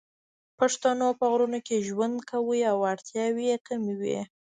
پښتنو په غرونو کې ژوند کاوه او اړتیاوې یې کمې وې